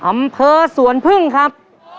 อำเภอสวนพึ่งครับ